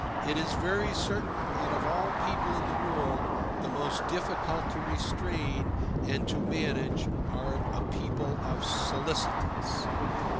It is very certain that of all people in the world the most difficult to restrain and to manage are a people of solicitants.